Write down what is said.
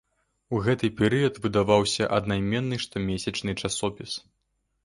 У гэты перыяд выдаваўся аднайменны штомесячны часопіс.